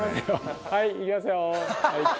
はいいきますよはい。